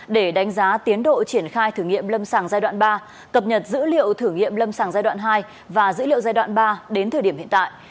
để đánh giá tiến độ triển khai thử nghiệm lâm sàng giai đoạn ba cập nhật dữ liệu thử nghiệm lâm sàng giai đoạn hai và dữ liệu giai đoạn ba đến thời điểm hiện tại